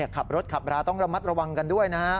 ขับรถขับราต้องระมัดระวังกันด้วยนะฮะ